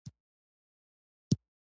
د مځکې ځینې برخې د دوامداره وچکالۍ سره مخ دي.